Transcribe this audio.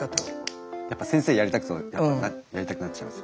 やっぱ先生やりたくなっちゃいます。